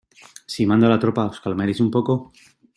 Si mando a la tropa, ¿ os calmaréis un poco?